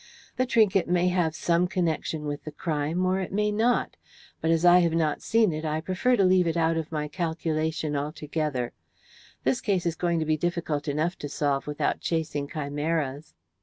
The trinket may have some connection with the crime, or it may not, but as I have not seen it I prefer to leave it out of my calculation altogether. This case is going to be difficult enough to solve without chasing chimeras.